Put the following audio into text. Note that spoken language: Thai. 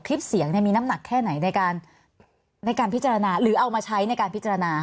คลิปเสียงมีน้ำหนักแค่ไหนในการพิจารณาหรือเอามาใช้ในการพิจารณา